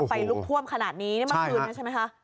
ไฟลุกท่วมขนาดนี้นี่เมื่อคืนนี้ใช่ไหมคะ